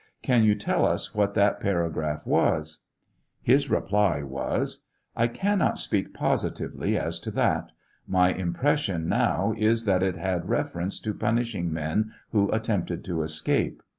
Can you tell us what that paragraph was ? His reply was : I cannot speak positively as to that ; my impression now is, that it had reference to pun ishing men who attempted to escape.